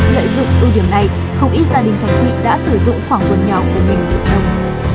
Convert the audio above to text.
lợi dụng ưu điểm này không ít gia đình thành thị đã sử dụng khoảng vườn nhỏ của mình để trồng